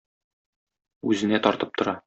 Үзенә тартып тора.